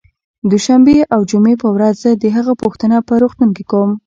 دوشنبې او جمعې په ورځ زه د هغه پوښتنه په روغتون کې کوم